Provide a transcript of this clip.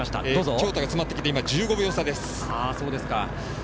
京都が詰まってきて１５秒差です。